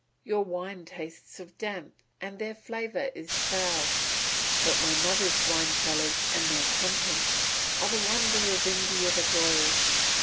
Your wines taste of damp and their flavour is foul. But my mother's wine cellars and their contents are the wonder of India the Glorious.